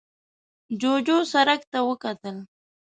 جوجو سرک ته وکتل.